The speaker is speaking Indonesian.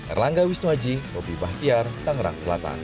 erlangga wisnuaji robby bahtiar tangerang selatan